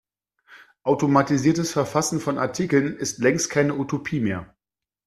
Automatisiertes Verfassen von Artikeln ist längst keine Utopie mehr.